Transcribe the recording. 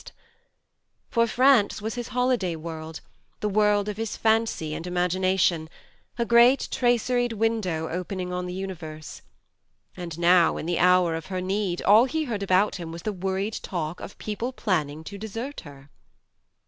THE MARNE 13 For France was his holiday world, the world of his fancy and imagination, a great traceried window opening on the universe. And now, in the hour of her need, all he heard about him was the worried talk of people planning to desert her